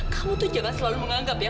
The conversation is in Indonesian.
kamu tuh jangan selalu menganggap ya